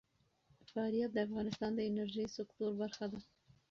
فاریاب د افغانستان د انرژۍ سکتور برخه ده.